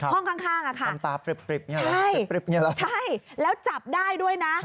ห้องข้างค่ะใช่แล้วจับได้ด้วยนะ